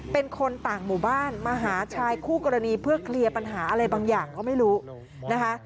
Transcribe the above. เป็นคนต่างหมู่บ้านมาหาชายคู่กรณีเพื่อเคลียร์ปัญหาอะไรบางอย่างก็ไม่รู้นะคะ